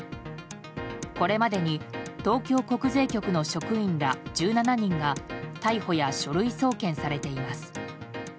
これまでに東京国税局の職員ら１７人が逮捕や書類送検されています。